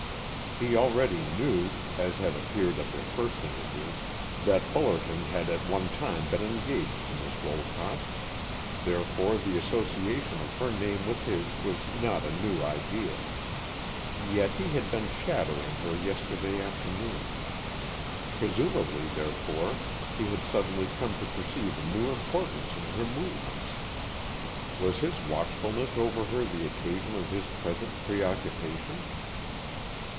He already knew (as had appeared at their first interview) that Fullerton had at one time been engaged to Miss Wolcott. Therefore the association of her name with his was not a new idea. Yet he had been "shadowing" her yesterday afternoon. Presumably, therefore, he had suddenly come to perceive a new importance in her movements. Was his watchfulness over her the occasion of his present preoccupation?